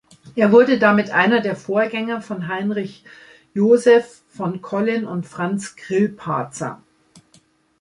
Er wurde damit einer der Vorgänger von Heinrich Joseph von Collin und Franz Grillparzer.